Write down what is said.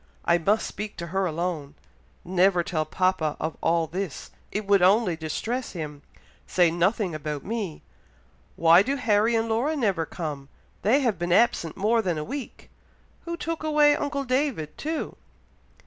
I must speak to her alone. Never tell papa of all this, it would only distress him say nothing about me. Why do Harry and Laura never come? They have been absent more than a week! Who took away uncle David too?"